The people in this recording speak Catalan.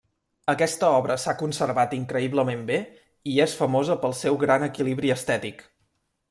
Aquesta obra s'ha conservat increïblement bé i és famosa pel seu gran equilibri estètic.